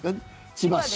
千葉市？